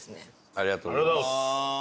ありがとうございます。